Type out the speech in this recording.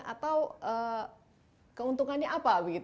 atau keuntungannya apa wih